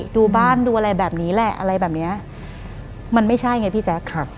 ดูบ้านดูอะไรแบบนี้แหละอะไรแบบเนี้ยมันไม่ใช่ไงพี่แจ๊ค